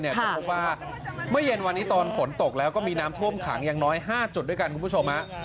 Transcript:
ก็พบว่าเมื่อเย็นวันนี้ตอนฝนตกแล้วก็มีน้ำท่วมขังอย่างน้อย๕จุดด้วยกันคุณผู้ชม